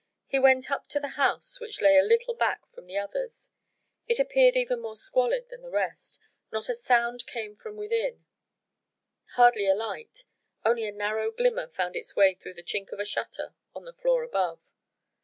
He went up to the house which lay a little back from the others. It appeared even more squalid than the rest, not a sound came from within hardly a light only a narrow glimmer found its way through the chink of a shutter on the floor above.